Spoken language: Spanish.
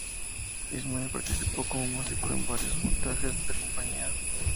Ismael participó como músico en varios montajes de esta compañía.